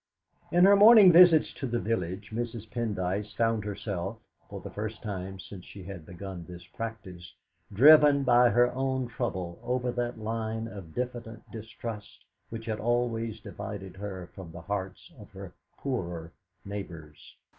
In her morning visits to the village Mrs. Pendyce found herself, for the first time since she had begun this practice, driven by her own trouble over that line of diffident distrust which had always divided her from the hearts of her poorer neighbours.